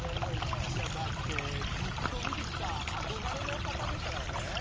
いやだってずっと見てきた憧れの方でしたからね。